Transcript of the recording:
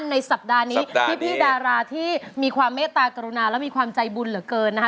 ในสัปดาห์นี้พี่ดาราที่มีความเมตตากรุณาและมีความใจบุญเหลือเกินนะคะ